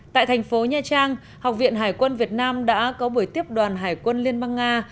tại thành phố nha trang học viện hải quân việt nam đã có buổi tiếp đoàn hải quân liên bang nga